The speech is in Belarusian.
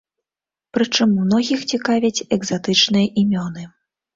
Прычым, многіх цікавяць экзатычныя імёны.